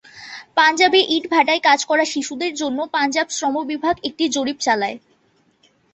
পাঞ্জাবে ইট ভাটায় কাজ করা শিশুদের জন্য পাঞ্জাব শ্রম বিভাগ একটি জরিপ চালায়।